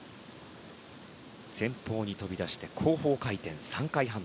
前方に飛び出して後方回転３回半。